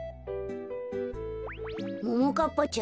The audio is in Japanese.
ももかっぱちゃ